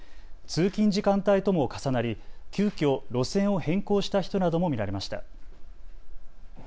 通勤時間帯とも重なり急きょ、路線を変更した人なども見られました。